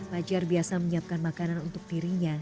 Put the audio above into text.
fajar biasa menyiapkan makanan untuk dirinya